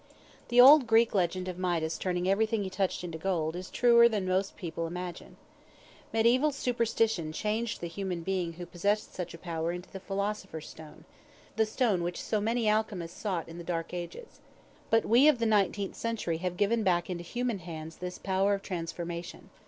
The old Greek legend of Midas turning everything he touched into gold, is truer than most people imagine. Mediaeval superstition changed the human being who possessed such a power into the philosopher's stone the stone which so many alchemists sought in the dark ages. But we of the nineteenth century have given back into human hands this power of transformation.